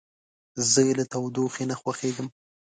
زه له تودوخې نه خوښیږم.